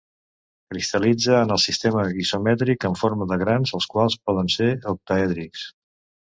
Cristal·litza en el sistema isomètric en forma de grans, els quals poden ser octaèdrics.